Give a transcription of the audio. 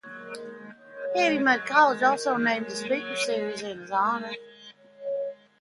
Harvey Mudd College also named a speaker series in his honor.